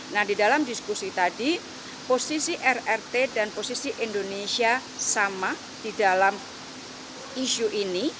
nah di dalam diskusi tadi posisi rrt dan posisi indonesia sama di dalam isu ini